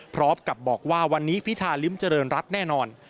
พร้อมกับบอกว่าวันนี้พิธาริมเจริญรัฐแน่นอน